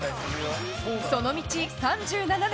その道３７年。